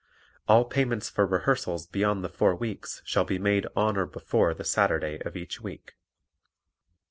All payments for rehearsals beyond the four weeks shall be made on or before the Saturday of each week.